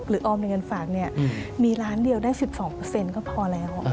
ออมในเงินฝากเนี่ยมีล้านเดียวได้๑๒ก็พอแล้ว